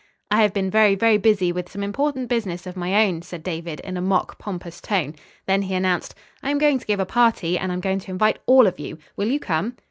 "I have been very, very busy with some important business of my own," said David in a mock pompous tone. Then he announced: "I am going to give a party and I am going to invite all of you. Will you come?"